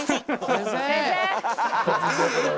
先生！